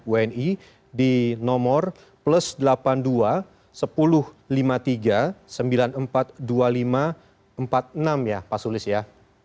wni di nomor plus delapan puluh dua sepuluh lima puluh tiga sembilan puluh empat dua puluh lima empat puluh enam ya pak sulis ya